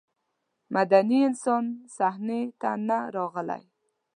مدني انسان صحنې ته نه راغلی.